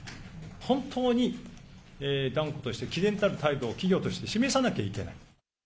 本当に断固としてきぜんたる態度を企業として示さなきゃいけない。